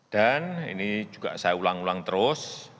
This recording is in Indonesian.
dan ini juga saya ulang ulang terus